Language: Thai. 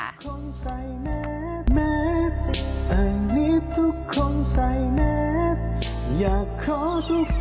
โดนโรงคนไทยใส่หน้ากากอนามัยป้องกันโควิด๑๙กันอีกแล้วค่ะ